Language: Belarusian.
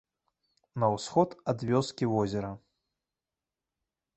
На ўсход ад вёскі возера.